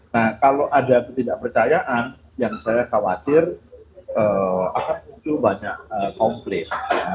nah kalau ada ketidakpercayaan yang saya khawatir akan muncul banyak komplit